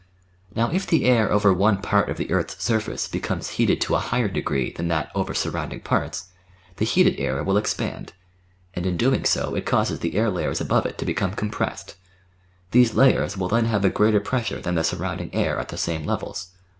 Now if the air over one part of the earth's surface becomes heated to a higher degree than that over surrounding parts, the heated air will expand, and, in doing so, it causes the air layers above it to become compressed. These layers will then have a greater pressure than the surrounding air at the same levels.